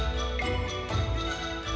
padahal waktunya pembeli